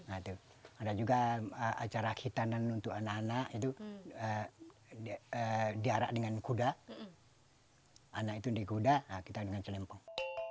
ada juga acara hitanan untuk anak anak itu diarahkan dengan kuda anak itu dikuda kita dengan talempong